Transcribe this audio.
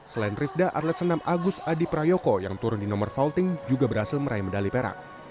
selain rivda atlet senam agus adi prayoko yang turun di nomor falting juga berhasil meraih medali perak